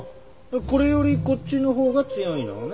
これよりこっちのほうが強いのね。